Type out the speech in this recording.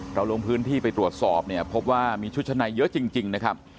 ลงพื้นที่ไปตรวจสอบเนี่ยพบว่ามีชุดชั้นในเยอะจริงนะครับ